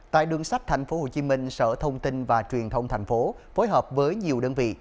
tại đường sát tp hcm sở thông tin và truyền thông tp phối hợp với nhiều đơn vị